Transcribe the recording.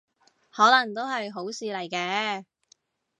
可能都係好事嚟嘅